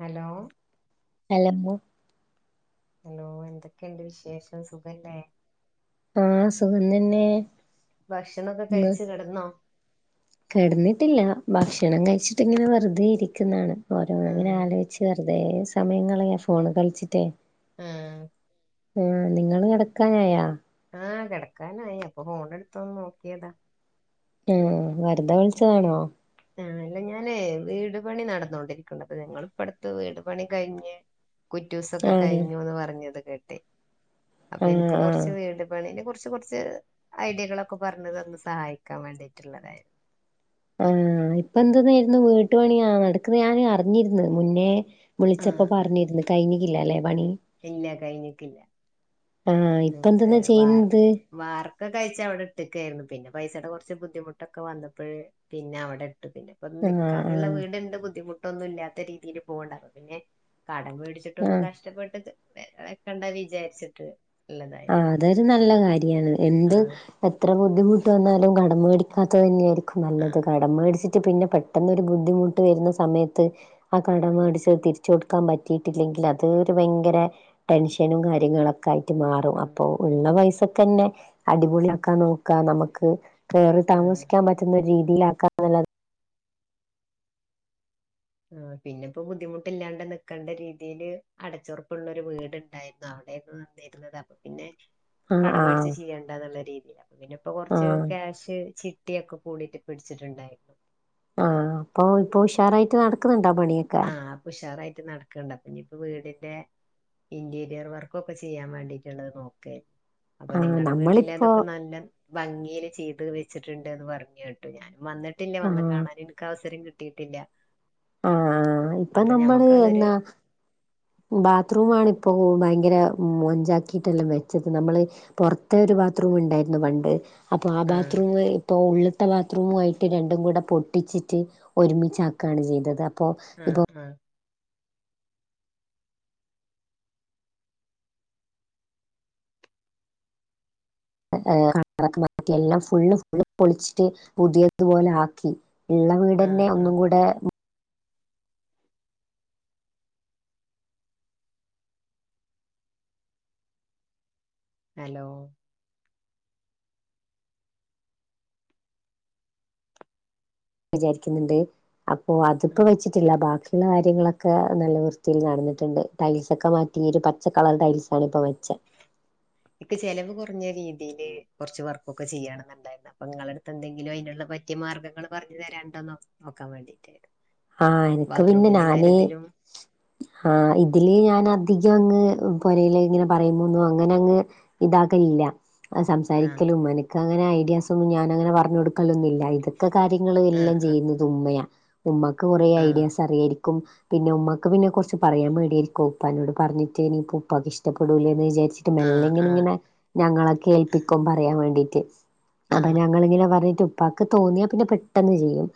Hello hello hello എന്തൊക്കെയുണ്ട് വിശേഷം സുഖല്ലേ ആഹ് സുഖം തന്നെ ഭക്ഷണമൊക്കെ ഇന്ന് കഴിച്ചു കെടന്നോ? കെടന്നിട്ടില്ല ഭക്ഷണം കഴിച്ചിട്ട് ഇങ്ങനെ വെറുതെ ഇരിക്കുന്നാണ് ഓരോന്ന് ഇങ്ങനെ ആഹ് ആലോചി- വെറുതെ സമയ കളയ ഫോണ് കളിച്ചിട്ടേ ആഹ് ആഹ് നിങ്ങള് കെടക്കാനായാ? ആഹ് കെടക്കാനായി അപ്പൊ ഫോണ് എടുത്തൊന്ന് നോക്കിയതാ ഹും വെറുതെ വിളിച്ചാണോ ആഹ് അല്ല ഞാനേ വീട് പണി നടന്നോണ്ടിരിക്കുന്നു അത് ഞങ്ങിപ്പടുത്ത് വീട് പണി കഴിഞ്ഞ്- കുറ്റൂസൊക്കെ ആഹ് കഴിഞ്ഞുന്ന് പറഞ്ഞത് കേട്ടെ അപ്പൊ എനിക്ക് ആഹ് ആഹ് കൊറച്ച് വീട്- പണിനെ കൊറച്ച് കൊറച്ച് ഐഡിയകളൊക്കെ പറഞ് തന്ന് സഹായിക്കാൻ വേണ്ടിയിട്ടുള്ളതായിരുന്നു ആഹ് ഇപ്പ എന്തെന്നായിരുന്നു വീട്ടുപണിയാ നടക്കുന്ന ഞാൻ അറിഞ്ഞിരുന്നത് മുന്നേ- വിളിച്ചപ്പോ ആഹ് പറഞ്ഞിരുന്നു കഴിഞ്ഞിക്കില്ല അല്ലേ പണി ഇല്ല കഴിഞ്ഞട്ടില്ല ആഹ് ഇപ്പ എന്തൊന്നാ ചെയ്യുന്നത്? വാർക്ക കഴിച്ച അവിടെ ഇട്ടിക്കയായിരുന്നു പിന്നെ പൈസയുടെ കൊറച്ച് ബുദ്ധിമുട്ടൊക്കെ വന്നപ്പോഴ- പിന്നെ അവിടെ ഇട്ടു പിന്നെ- ഇപ്പൊ ആഹ് നിക്കാനുള്ള ആഹ് വീട് ഇണ്ട് ബുദ്ധിമുട്ടൊന്നും ഇല്ലാത്ത രീതിയില് പോകണ്ടായി അപ്പൊ പിന്നെ കടം മേടി - ച്ച് ആഹ് വച്ചിട്ടൊന്നും കഷ്ടപ്പെട്ട് വെക്കണ്ട വിചാരിച്ചിട്ട്- ഉള്ളതായി ആഹ് അതൊരു നല്ല കാര്യാണ് എന്ത്- ആഹ് എത്ര ബുദ്ധിമുട്ട് വന്നാലും കടം മേടിക്കാത്തത് തന്നെ ആയിരിക്കും നല്ലത് ആഹ് കാ- കടം മേടിച്ചിട്ട് പിന്നെ പെട്ടെന്നു ബുദ്ധിമുട്ട് വരുന്ന സമയത്ത് ആ കടം ആഹ് മേടിച്ച തിരി- തിരിച്ച് കൊടുക്കാൻ പറ്റിയിട്ടില്ലെങ്കിൽ അത് ഭയങ്കര ടെൻഷനും കാര്യങ്ങളൊക്കെ ആയിട്ട് മാറും ഉം അപ്പൊ ഉള്ള പൈസക്ക് തന്നെ അടി പൊളിക്കാൻ ആക്കാൻ നോക്കാം നമുക്ക്- കേറി ആഹ് താമസിക്കാൻ പറ്റുന്ന രീതിലാക്കാത്ത [unintelligible] ആഹ് പിന്നെപ്പോ ബുദ്ധിമുട്ടില്ലാണ്ട് നിക്കേണ്ട രീതിൽ അടച്ചുറുപ്പുള്ള ഒരു വീടുണ്ടായിരുന്നു അവിടെന്ന് തരുന്നത് അപ്പൊ പിന്നെ- ആഹ് ആഹ് കടമേടിച്ച ചെയ്യണ്ടന്നുള്ള രീതില് അപ്പോ പിന്നെ ഇപ്പ കൊറച്ച് ആഹ് ക്യാഷ് ചി- ട്ടിയൊക്കെ കൂടിയിട്ട് പിടിച്ചിട്ടുണ്ടായിരുന്നു ആഹ് അപ്പൊ ഇപ്പൊ ഉഷാറായിട്ട് നടക്കുന്നുണ്ടാ പണിയൊക്കെ- ആഹ് ഇപ്പൊ ഉഷാറായിട്ട് നടക്കണുണ്ട് അപ്പൊ ഇനിയിപ്പ വീടിന്റെ- ഇന്റീരിയർ വർക്കൊക്കെ ചെയ്യാൻ വേണ്ടീട്ടുള്ളത് നോക്കുവേ അപ്പൊ ആഹ് നിങ്ങളുടെ വീട്ടിലെ നമ്മളിപ്പോ അതൊക്കെ നല്ല- ഭംഗില് ചെയ്ത് വെച്ചിട്ടുണ്ട്ന്ന് പറഞ്ഞു കേട്ടു ഞാൻ വന്നിട്ടില്ലേ വന്ന് ആഹ് കാണാന- നമുക്ക് അവസരം കിട്ടിയിട്ടില്ല ആഹ് ഇപ്പൊ അപ്പൊ നമ്മള് ഞമ്മക്കതൊരു എന്താ- ബാത്റൂ ആണിപ്പോൾ ഭയങ്കര മൊഞ്ചാക്കിയിട്ടെല്ലാം വെച്ചത് നമ്മള്- പൊറത്ത് ഒരു ബാത്റൂം ഉണ്ടായിരുന്നു പണ്ട് അപ്പൊ ആ ബാത്റൂം- ഇപ്പോൾ ഉള്ളത്തെ ബാത്റൂമുമായിട്ട് രണ്ടും കൂടെ പൊട്ടിച്ചിട്ട് ഒരുമിച്ചാക്കുകയാണ് ചെയ്തത് അപ്പോ ആ ഇപ്പോ ആ കറക്ക എല്ലാം [unintelligible] ഫും ഫും പൊളിച്ചിട്ട് പുതിയ ഇതുപോലെ ആക്കി ഇള്ള ആ ആ വീടെന്നെ ആ ഒന്നും കൂടെ ഉം ഹെലോ വിചാരിക്ക്ന്ന്ണ്ട് അപ്പൊ ആ അതിപ്പോ വെച്ചി ചില ബാക്കിയുള്ള കാര്യങ്ങളൊക്കെ നല്ല വൃത്തിയിൽ നടന്ന്ട്ട്ണ്ട് ടൈൽസ്ക്കെ മാറ്റി ഒരു പച്ച കളറ് ടൈൽസ് പണിപ്പാെ വെജ്ജ ഇക്ക് ചെലവ് കാെറഞ്ഞ രീതിയില് കാെറച്ച് വർക്കൊക്കെ ചെയ്യണംന്ന് ഇണ്ടായിരുന്നു അപ്പ ഇങ്ങളെട് ഇപ്പ എന്തെങ്കിലും ഐന്ള്ള പറ്റിയ മാർഗങ്ങള് പർഞ്ഞ് തെരാണ്ടൊന്ന് നോക്ക് നോക്കാൻ വേണ്ടീട്ടേര്ന്ന് ആഹ് അനക്ക് പിന്നെ നാന് ആഹ് ഇതില് ഞാന് അധികം അങ്ങ് പാെരേല് ഇങ്ങനെ പറയുമ്പാെന്നും അങ്ങനെ അങ്ങ് ഇതാക്കലില്ല ആ അസംസാരിക്കലും എനക്ക് അങ്ങനെ ഐഡിയാസ് ഒന്നും ഞാനഅങ്ങനെ പർഞ്ഞാെട് മക്കളൊന്നുഇല്ല ഇതൊക്കെ കാര്യങ്ങള് ആ എല്ലാം ആ ചെയ്യ്ന്നത് ഉമ്മയാ ഉമ്മാക് ഇക്ക് കാെറേ ആ ഐഡിയാസ് അറിയേര്ക്കും പിന്നെ ഉമ്മാക്ക് പിന്നെ കാെർച്ച് പറയാൻ മടിയേര്ക്കും ഉപ്പാനോട് പർഞ്ഞിട്ടെണീക്കും ഉപ്പാക്ക് ഇഷ്ടപ്പെൂലെ എന്ന് വിചാര്ച്ച് ത്ത് ആ ആ മെല്ലെ ഇങ്ങനെ ആ ഇങ്ങനെ ഞങ്ങളെക്കെ ഏൽപ്പിക്കും പറയാൻ വേണ്ടീറ്റ് ആ അതാ ഞങ്ങള് ഇങ്ങനെ പർഞ്ഞിട്ട് ഉപ്പാക്ക് തോന്നിയാ പിന്നെ പെട്ടെന്ന് ചെയ്യും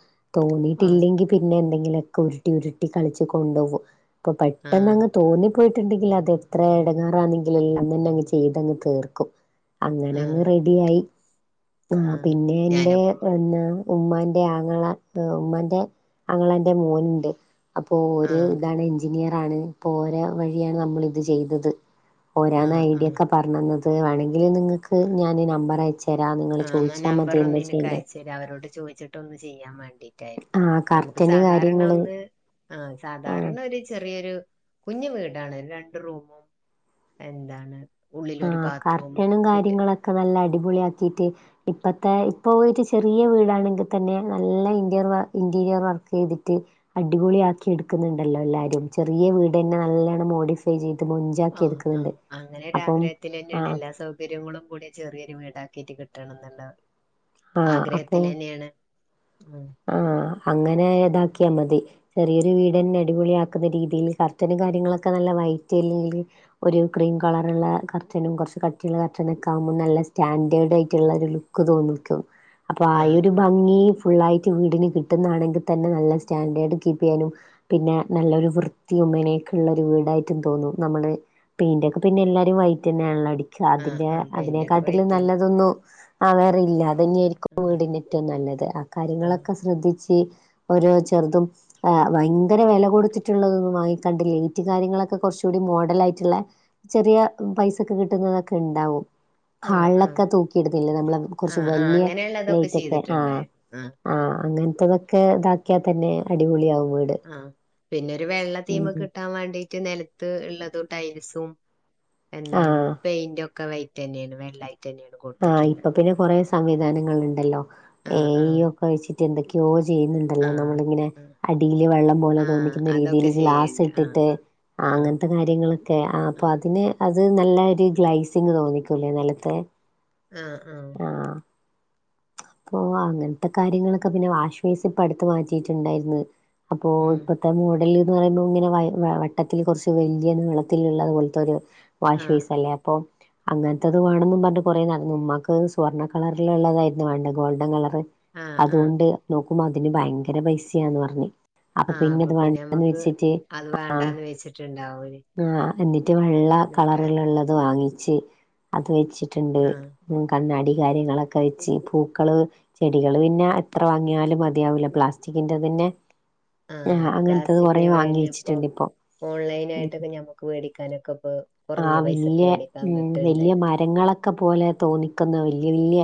ആ തോന്നിയിട്ടില്ലെങ്കി പിന്നെ എന്തെങ്കിലൊക്കെ ഉരുട്ടി ഉരുട്ടി കളിച്ച് കൊണ്ടാേവും അപ്പൊ പെട്ടെന്ന് അങ്ങ് തോന്നി പോയിട്ട്ണ്ടെങ്കിൽ അത് എത്ര എടങ്ങേറാന്നെങ്കിലും എല്ലാം അന്നെന്നെ അങ്ങ് ചെയ്തങ്ങ് തീർക്കും അങ്ങനെ ആ അങ്ങ് റെഡിയായി ആ പിന്നെ എന്റെ ഞാനിപ്പോ എന്നാ ഉമ്മാന്റെ ആങ്ങള ഏഹ് ഉമ്മന്റെ അങ്ങളന്റെ മോന്ണ്ട് അപ്പൊ ആ ഓര് ഇതാണ് എഞ്ചിനിയറാണ് ഇപ്പോര വഴിയാണ് നമ്മള് ഇത് ചെയ്തത് ആ ഓരാേണ് ആ ഐഡിയ ഒക്കെ പർണന്നത് വാണെങ്കി നിങ്ങക്ക് ഞാന് നമ്പറ് അയച്ച് തെരാ നിങ്ങള് ചോയിച്ചാ മതി എന്താ ചെയ്യെണ്ടേ തെരാഅവരോട് ചോയിച്ചിട്ട് ഒന്ന് ചെയ്യാംവാണ്ടി തെരു ആഹ് നമുക്ക് കർട്ടന് സാധാരണ കാര്യങ്ങള് ഒന്ന് ആഹ് ആഹ് സാധാരണ ഒര്ചെറിയൊരു കുഞ്ഞു വീടാണ് രണ്ട് റൂമും എന്താണ് ഉള്ളിലൊരു ബാത്റൂമും സിറ്റ് ഇക്ക നല്ല അടിപൊളിയാക്കീറ്റ് ഇപ്പത്തെ ഇപ്പൊ ഓവ് വെച്ച ചെറിയ വീടാണെങ്ക് തന്നെ നല്ല ഇന്റേർവ ഇന്റീരിയർ വർക്ക് ചെയ്തിട്ട് അടിപൊളിയാ ക്കി ഇട്ക്ക്ന്ന്ണ്ടല്ലോ എല്ലാരും ചെറിയ വീട് എന്ന നല്ലണം മോഡിഫൈ ചീത് ആ മൊഞ്ചാക്കി ആ എത്ക്ക്ന്ന്ണ്ട് അങ്ങനെ ഒര് ആഗ്രഹത്തിലെന്നേണ് എല്ലാ സൗകര്യങ്ങളും കൂടിയ ചെറിയൊര് വീടാക്കീറ്റ് കിട്ടണംന്ന്ണ്ട് ആഹ് അപ്പൊ ആഗ്രഹത്തിലെന്നേണ് ഉം ആഹ് അങ്ങനെ യതാക്കിയാ മതി ചെറിയൊരു വീടെന്നെ അടിപൊളിയാക്ക്ന്ന രീതിയില് കർട്ടനും കാര്യങ്ങളൊക്കെ നല്ല വൈറ്റ് എല്ലെങ്കില് ഒരു ക്രീം കളറ്ള്ള കർച്ചനും കാെറച്ച് കട്ടിള്ള കറ്ട്ടനാെക്ക ആവുമ്പൊ നല്ല സ്റ്റാൻന്റേഡ് ഐറ്റ്ള്ള ഒരു ലു ക്ക്‌തോന്ന്ക്കും അപ്പൊ ആ ആയൊരു ആ ഭംഗി ഫുള്ളായി റ്റ് വീട്ന് കിട്ട്ന്നാണെങ്ക് തന്നെ നല്ല സ്റ്റാൻഡേർഡ് കീപ്പിയ്യാനും പിന്നെ നല്ലൊരു വൃത്തിയും മെനയെക്ക്ള്ള ഒരു വീടായിട്ടും തോന്നും നമ്മള് പെെന്റെക്കെ പിന്നെ എല്ലാരും വൈറ്റ് എന്നേണ്ലടി ആ ഖത് നെ ആ അത് പെയിന്റൊക്കെ വൈറ്റ് നേക്കാട്ടിലും തന്നെ നല്ലതൊന്നും ആ വേറെഇല്ല ആ അതെന്നേര്ക്കും വീടിന് ഏറ്റവും നല്ലത് ആഹ് ആ കാര്യങ്ങളെക്കെ ശ്രദ്ധിച്ച് ഓരോ ചെറ്തും ആഹ് ഭയങ്കര വെല കൊട്ച്ച്ട്ട്ള്ളതൊന്നും വാങ്ങിക്കണ്ട ലേറ്റ് കാര്യങ്ങളെക്കെ കാെറച്ചൂടിം മോഡലൈറ്റ്ള്ളെ ചെറിയ ഉം പൈസക്ക്‌ കിട്ട്ന്നതൊക്കെ ഇണ്ടാവും ആ ഹാൾലെക്കെ തൂക്കിയിട്തില്ലേ നമ്മളെ ആ കാെറച്ച് വല്യെ ലൈറ്റെക്കെ ആഹ് ആഹ് ആഹ് അങ്ങൻത്തതൊക്കെ താക്കിയാ തന്നെ അടിപൊളിയാവും വീട് ആഹ് പിന്നാെര് വെള്ള തീമാെക്കെ ഉം കിട്ടാൻ വാണ്ടി റ്റ് നെലത്ത് ഇള്ളതും ടൈൽസും ആ എന്താണ് പെെന്റാെക്കവൈറ്റ് റ്റെന്നെെന് വെള്ളായിട്ടെന്നേണ് ആഹ് ഇപ്പൊ പിന്നെ കൊറേ സംവിധാനങ്ങള് ഇണ്ടല്ലോ ആ എ ആ ഈ ഒക്കെ വെച്ചിട്ട് എന്തൊക്കെയോ ചെയ്യുന്ന്ണ്ടല്ലോ ആ നമ്മളിങ്ങനെ ആ അടീല് വെള്ളം പോലെ ആ തോന്നിക്കുന്ന അതൊക്കെ രീതീല് ചെയ്യണ്ട് ആ ഗ്ലാസിട്ടിട്ട് ആ അങ്ങൻത്തെ കാര്യങ്ങളൊക്കെ, ആ അപ്പൊ അതിന് അത് നല്ല ഒരു ഗ്ലൈസിങ് തോന്നിക്കൂലേ നെലത്ത് ആഹ്‌ ആഹ്‌ അപ്പൊ അങ്ങൻത്ത കാര്യങ്ങളൊക്ക പിന്നെ വാഷ്വേസിപ്പ അടുത്ത് മാറ്റിയിട്ട്ണ്ടായിര്ന്ന് അപ്പൊ ഉം ഇപ്പ പ മൂടല്ന്ന് പറയുമ്പോ ഇങ്ങനെ വയ് വട്ടത്തിൽ കൊർച്ച് വല്ല്യ നീളത്തിലുള്ളതുപോൽത്തൊരു ആ വാഷ് വൈസല്ലേ ആ അപ്പൊ അങ്ങൻത്തത് വേണെന്നും പർഞ്ഞ് കൊറെേ നട്ന്നു, മ്മാക്ക് സ്വർണ്ണ കളർല്ള്ളതായിരുന്നു വാണ്ടെ, ഗോൾഡൻ കളറ് ആ ആ അതൂണ്ട് നോക്കുമ്പോ അതിന് ഭയങ്കര പൈസയാന്ന് പർഞ്ഞ് ആഹ്‌ അപ്പപിന്ന ഞമ്മക്ക് അത് വേണ്ടാന്ന് വെച്ചിട്ടുണ്ടാവുലെ ആഹ്‌ എന്നിട്ട് വെള്ള കളറില്ള്ളത് വാങ്ങിച്ച് അത് വെച്ചിട്ട്ണ്ട് ആ ഉം കണ്ണാടി കാര്യങ്ങളൊക്കെ വെച്ച് പൂക്കള് ചെടികള് പിന്നെ എത്ര വാങ്ങിയാലും മതിയാവൂല, പ്ലാസ്റ്റിക്കിന്റെ തന്നെ ആ ആഹ്‌ അങ്ങൻത്തത് കൊറേ വാങ്ങിവെച്ചിട്ട്ണ്ടിപ്പൊ ഓൺലൈനായിട്ടൊക്കെ ഞമ്മക്ക് മേടിക്കാനൊക്കെപ്പ ആഹ് കൊർഞ്ഞ പൈസക്ക്‌ വേടിക്കാൻ കിട്ട്ണ്ടേലൊ ക്ക പോലെ തോന്നിക്കുന്ന വല്യ വല്യ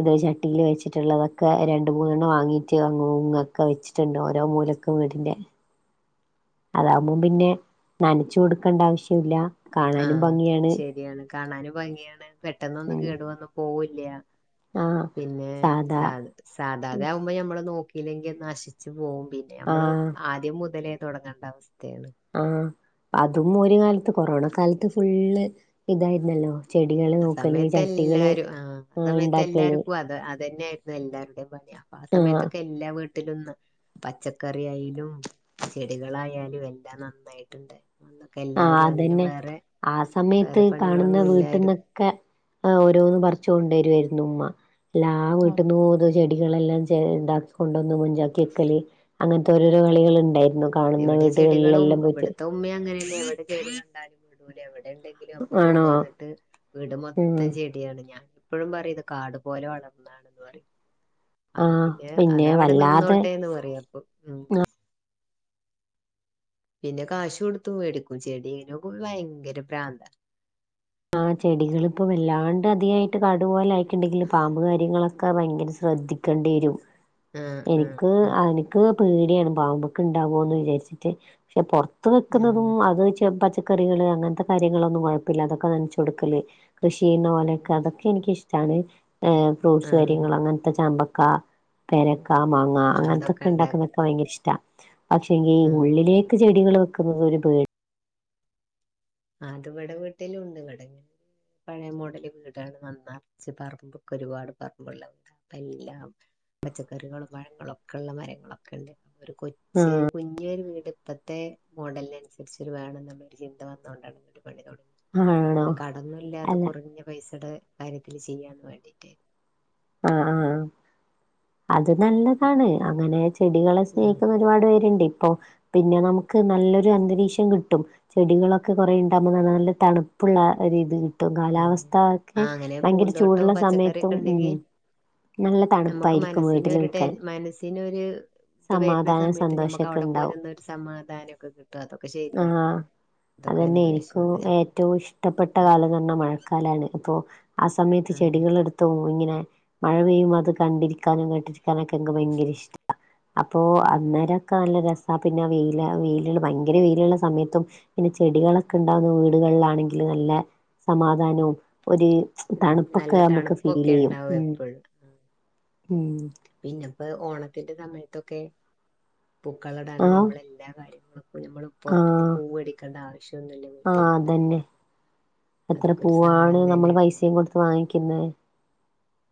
ഇത് ചട്ടീല് വെച്ചിട്ടുള്ളതൊക്കെ രണ്ട് മൂന്നെണ്ണം വാങ്ങിട്ട് ങ്ങ്ങൊക്കെ വെച്ചി ട്ട്ണ്ട്, ഓരോ മൂലക്കും വീടിൻ്റെ അതാവുമ്പോം പിന്നെ നനച്ചു കൊടുക്കണ്ട ആവശ്യമില്ല കാണാനും ആഹ്‌ ഭംഗിയാണ് ശെരിയാണ് കാണാനും ഭംഗിയാണ് പെട്ടെന്നൊന്നും ഉം കേടു വന്ന്പ് പോവുല്യ, ആഹ് പിന്നെ സ സാധാ സാധാദ്യകുമ്പോ ഞമ്മള് നോക്കി ക്കില്ലെങ്കി അത് നശിച്ചു പോവും പിന്നെ. അമ്മള് ആഹ് ആദ്യം മുതലേ തുടങ്ങണ്ട അവസ്ഥേണ് ആഹ്‌, അതും ഒരു കാലത്ത് കൊറോണ കാലത്ത് ഫുള്ള് ഇതായിരുന്നല്ലോ ചെടികള് അ നോക്കല് ചട്ടികള് സമയത്തെല്ലാരും ആഹ്‌ ആഹ് അസമയത്ത് ഇണ്ടാക്കല് എല്ലാർക്കും അത് അതന്നേ- വല്ലാരുടെയും പണി, അപ്പാ ആഹ് സമയത്തൊക്കെ എല്ലാ വീട്ടിലും ന പച്ചക്കറി ആയി ലും ചെടികളായാലും എല്ലാ നന്നായിട്ട്ണ്ടായി അന്ന് ആഹ് കെല്ലാരും അതിനു അതന്നെ വേറെ ആ വേറെ പണികളൊന്നും ഇല്ലായിരുന്നു ക്കെ ഓരോന്ന് പർച്ച് കൊണ്ടുവരേര്ന്നു ഉമ്മ എല്ലാ വീട്ട്ന്നും മൂന്ന് ചെ ടികളെല്ലാം ഉണ്ടാക്കിക്കൊണ്ടൊന്ന് മൊഞ്ചാക്കെക്കല് അങ്ങൻത്തോരോരോ കളികള്ണ്ടായിരുന്നു ഇവിടെ ചെടികളും, ഇവിടുത്തെ ഉമ്മയും അങ്ങനെന്നെ, എവിടെ ചെടിക കണ്ടാലും വിടൂല എവിടെണ്ടെ ലു അപ്പൊ ആണോ കൊണ്ടുവന്നിട്ട് വീട് ഉം മൊത്തം ചെടിയാണ് ഞാ പ്പളും പറിംത് കാട് പോലെ വളർന്നാണ്ന്ന് പറിം അപ്പ ആഹ് പിന്നെ അതവിടെ വല്ലാതെ നിന്നോട്ടെന്ന് പറയും അപ്പം ഉം പിന്നെ കാശ് കൊടുത്തും വേടിക്കും, ചെടി നെകൊണ്ട് വയങ്കര ഭ്രാന്ത ആഹ്‌ ചെടികളിപ്പം വല്ലാണ്ട് അധികായിട്ട് കാടുപോലെ ആയിട്ട്ണ്ടെങ്കില് പാമ്പ് കാര്യങ്ങളൊ ക്ക ഭയങ്കര ശ്രദ്ധിക്കണ്ടേരും ആ ആ ആ എനിക്ക്അന് ക്ക്ങ്ങ ‌ പേട്യാണ് പാമ്പൊക്കെ ണ്ടാവോ ന്ന് വിചാരിച്ചിട്ട് ക്ഷെ പൊർത്ത് ആ വെക്കുന്നതും അത് ച്ച പച് ക്കറികള് അങ്ങൻത്തെ കാര്യങ്ങളൊന്നും കുഴപ്പല്ലാതെ ക്കെ നൻച്ചൊടുക്കല് കൃഷി ചെയുന്ന പോലെയക്കെ അതൊക്കെ എനിക്കിഷ്ടാണ് ഏഹ്‌ ഫ്രൂട്ട്സ് ആ കാര്യങ്ങളങ്ങൻത്തെ ചാമ്പക്ക പേരക്ക മാങ്ങ ആ അതൊക്കെ അങ്ങൻത്തൊക്കെ ഉണ്ടാക്കി ഉണ്ടാക്ക്ന്നൊക്കെ ആ ഭയങ്കര ഇഷ്ട പക്ഷെങ്കി ഉള്ളിലേക്ക് ചെടികള് വെക്കുന്നുന്നത് ഒരു പേടി ആഹ്‌ അത് വടെ വീട്ടിലുണ്ട് വടെങ്ങ പഴേ മോടല് വീടാണ് നന്നർച്ച് പറമ്പൊക്കെ ഒരുപാട് പറമ്പ്ള്ള വീട് അപ്പല്ലാം പച്ചക്കറികളും പഴങ്ങളും ഒക്കെ ഉള്ള മരങ്ങളൊക്കെണ്ട്. ഒരു കൊച് ആ ച്ച് കുഞ്ഞി ഒരു വീട് ഇപ്പത്തെ മോഡൽനനുസരിച്ചൊരു വേണന്ന് ള്ളൊരു ചിന്ത വന്നു തോണ്ടാണ് വീട് പണി തൊടങ്ങെ, ആണോ അത് കടം ഒന്നും ഇല്ലാതെ അല്ല കൊറഞ്ഞ പൈസടെ കാര്യത്തില് ചെയ്യാന്ന് വേണ്ടീട്ട് ആഹ് ആഹ് അത് നല്ലതാണ് അങ്ങനെ ചെടികളെ ആ സ്നേഹിക്കുന്ന ഒരുപാട് പേരുണ്ട് ഇപ്പൊ പിന്നെ നമുക്ക് നല്ലൊരു അന്തരീക്ഷം കിട്ടും ചെടികളൊക്കെ കൊറേ ഉണ്ടാകുമ്പോ നല്ല തണുപ്പുള്ള ഒരു ഇത് കിട്ടും കാലാവസ്ഥ ഒക്കെ ആഹ് അങ്ങനെ ഭയങ്കര പൂന്തോട്ടം ചൂടുള്ള പച്ചക്കറി സമയത്തും ഒക്കെണ്ടെങ്കി ഉം നല്ല ഞമ്മക്ക് തണുപ്പായിരിക്കും മനസ്സിന് വീട്ടിൽ ഒരു ടെൻ നിൽക്കാൻ മനസ്സിനൊരു ഇത് വരുന്ന സമാധാനം സമയത്ത് നമ്മക്ക് സന്തോഷമൊക്കെ അവിടെ ഉണ്ടാവും പോരന്നൊരു സമാധാനെക്കെ കിട്ടും അതൊക്കെ ശരിയാണ് ആഹ് അതൊക്കെ അതന്നെ എനിക്കും അനുഭവിച്ചുണ്ട് ഞമ്മൾ ഏറ്റവും ഇഷ്ടപ്പെട്ട കാലം ന്ന് പറഞ്ഞ മഴക്കാലാണ് അപ്പൊ ആ സമയത്ത് ചെടികൾ എടുത്ത് പോവും ഇങ്ങനെ മഴ പെയ്യുമ്പം അത് കണ്ടിരിക്കാനും കേട്ടിരിക്കാനൊക്കെ ഇൻക് ഭയങ്കര ഇഷ്ട അപ്പോ അന്നേരൊക്കെ നല്ല രസാ പിന്നെ വെയില വെയിലുള്ള ഭയങ്കര വെയിലുള്ള സമയത്തും പിന്നെ ചെടികളൊക്കെ ഉണ്ടാവുന്ന വീടുകളിലാണെങ്കില് നല്ല സമാധാനവും ഒര് തണുപ്പൊക്കെ നല്ല ഞമ്മക്ക് ഫീല് തണുപ്പൊക്കെ ചെയ്യും ഉണ്ടാവും ഉം ഉം പിന്നെ ഇപ്പ ഓണത്തിന്റെ സമയത്തൊക്കെ പൂക്കളം ഇടാനു ആഹ് ഞമ്മള എല്ലാ കാര്യങ്ങൾക്കും നമ്മൾ പൊറത്ത്ന്ന് ആഹ് പൂവടിക്കേണ്ട ആവശ്യൊന്നുല്ല ആഹ് അതന്നെ എത്ര അതൊക്കെ ഒരു പൂവാണ് സഹായം നമ്മള് തന്നെയാണ് പൈസയും കൊടുത്ത് വാങ്ങിക്കുന്നത്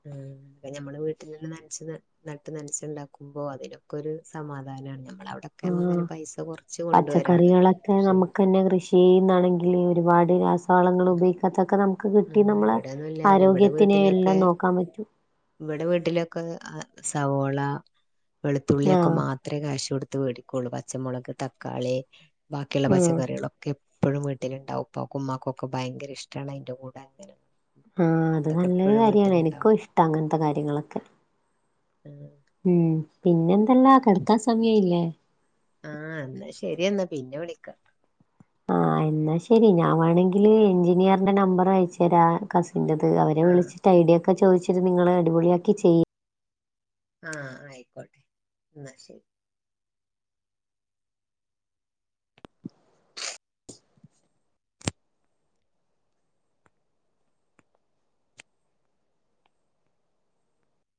ഉം അത് ഞമ്മെ വീട്ടിലെന്നെ നനച്ച് ന നട്ട് നനച്ചുണ്ടാക്കുമ്പോ അതിനൊക്കെ ഒരു സമാധാനണ് നമ്മളവിടെ ഒക്കെ ആഹ് നമ്മുക്ക്ങ്ങനെ പൈസ കൊറച്ച് കൊണ്ടുവരാള്ളത് പക്ഷേ പിന്നെ കൃഷിന്നാണെങ്കിൽ ഒരുപാട് രാസവളങ്ങള് ഉപയോഗിക്കാത്തൊക്കെ നമുക്ക് കി ട്ടി നമ്മളെ ഇവിടെന്നുല്ല ഇവിടെ ആരോഗ്യത്തിനെ വീട്ടിലൊക്കെ എല്ലാം നോക്കാൻ പറ്റും ഇവിടെ വീട്ടിലൊക്കെ സവോള വെളുത്തുള്ളി ഒക്കെ ആഹ് മാ ത്രേ കാശ് കൊടുത്ത് വേടിക്കുള്ളൂ പച്ചമുളക് തക്കാളി ബാക്കിയുള്ള ഉം പച്ചക്കറികളൊക്കെ എപ്പളും വീട്ടില്ണ്ടാവും ഉപ്പാക്കും ഇമ്മാക്കും ഒക്കെ ഭയങ്കര ഇഷ്ടാണ് അതിന്റെ കൂടെങ്ങനെ ആഹ് അത് നല്ലൊരു കാര്യാണ് എനിക്കും ഇഷ്ട അങ്ങനത്തെ കാര്യങ്ങളൊക്കെ ആഹ് അത്‌ ഉം പിന്നെന്തല്ലാം കെടക്കാൻ സമയായില്ലേ ആഹ് എന്നാ ശരിയാ എന്ന പിന്നെ വിളിക്കാ ആഹ് എന്നാ ശരി ഞാൻ വേണങ്കില് എഞ്ചിനീയറിന്റെ നമ്പറ് അയച്ച് തരാ കസിന്റത് അവരെ ആഹ് വിളിച്ചിട്ട് ഐഡിയ ഒക്കെ ചോദിച്ചിട്ട് നിങ്ങള് അടിപൊളിയാക്കി ചെയ്യ് ആഹ് ആയിക്കോട്ടെ എന്നാ ശരി